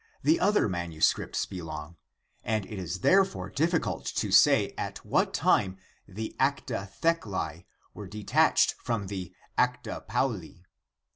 the other manuscripts belong, and it is therefore difficult to say at what time the Acta Theclae were detached from the Acta Pauli.